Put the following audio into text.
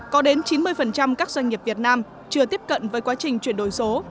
có đến chín mươi các doanh nghiệp việt nam chưa tiếp cận với quá trình chuyển đổi số